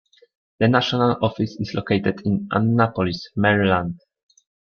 The national office is located in Annapolis, Maryland.